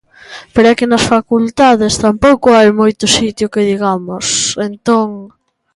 Pero é que nas facultades tampouco hai moito sitio que digamos, entón...